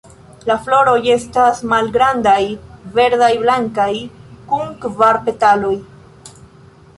La floroj estas malgrandaj, verdaj-blankaj, kun kvar petaloj.